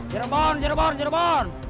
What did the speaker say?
jerman jerman jerman